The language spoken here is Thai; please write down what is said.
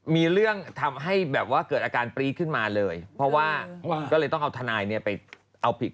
มีเรื่องทำให้แบบว่าเกิดอาการปรี๊ดขึ้นมาเลยเพราะว่าก็เลยต้องเอาทนายเนี่ยไปเอาผิด